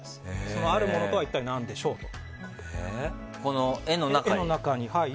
その、あるものとは一体何でしょうか。